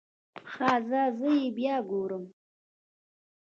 ښه ځه زه يې بيا ګورم.